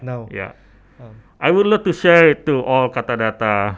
saya ingin berbagi kepada semua penonton katadata